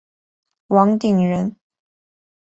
王鼎人。